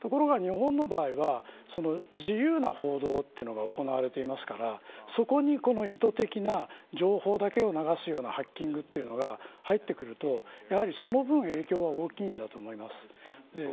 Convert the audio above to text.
ところが日本の場合は自由な報道が行われていますからそこに意図的な情報だけを流すようなハッキングというのが入ってくると、やはりその分、影響は大きいんだと思います。